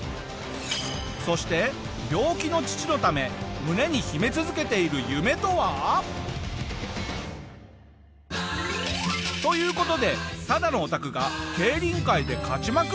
そして病気の父のため胸に秘め続けている夢とは？という事でただのオタクが競輪界で勝ちまくるお話。